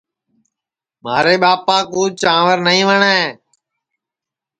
مھارے ٻاپا کُو چانٚور نائی وٹؔے